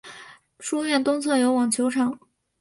书院东侧有网球场。